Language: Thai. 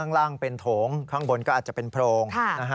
ข้างล่างเป็นโถงข้างบนก็อาจจะเป็นโพรง